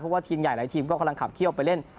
เพราะว่าทีมใหญ่หลายทีมก็กำลังขับเขี้ยวไปเล่น